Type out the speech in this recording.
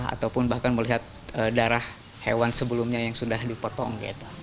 ataupun bahkan melihat darah hewan sebelumnya yang sudah dipotong